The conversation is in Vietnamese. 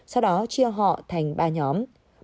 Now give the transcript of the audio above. sau đó chia họ thành ba nhóm